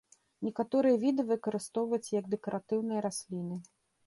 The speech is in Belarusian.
Некаторыя віды выкарыстоўваюцца як дэкаратыўныя расліны.